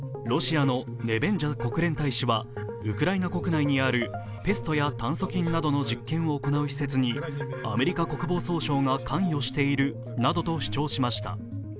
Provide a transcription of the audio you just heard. ロシアのネベンジャ国連大使は、ウクライナ国内にあるペストや炭そ菌などの実験などを行う施設にアメリカ国防総省が関与しているなどと主張しました。